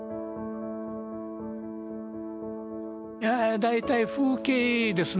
大体風景ですね。